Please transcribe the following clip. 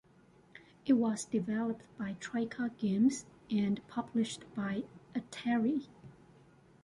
It was developed by Troika Games and published by Atari.